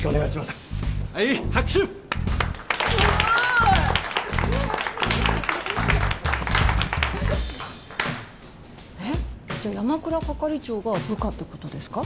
すごい！えっじゃあ山倉係長が部下ってことですか？